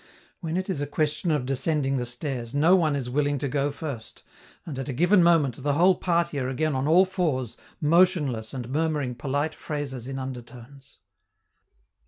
When it is a question of descending the stairs, no one is willing to go first, and at a given moment, the whole party are again on all fours, motionless and murmuring polite phrases in undertones.